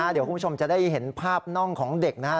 เดี๋ยวคุณผู้ชมจะได้เห็นภาพน่องของเด็กนะครับ